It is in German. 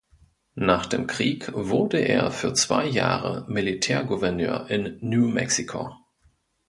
Nach dem Krieg wurde er für zwei Jahre Militärgouverneur in New Mexico.